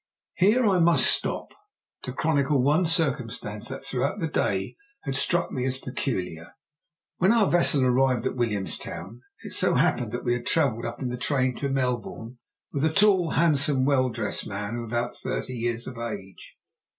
Here I must stop to chronicle one circumstance that throughout the day had struck me as peculiar. When our vessel arrived at Williamstown, it so happened that we had travelled up in the train to Melbourne with a tall, handsome, well dressed man of about thirty years of age.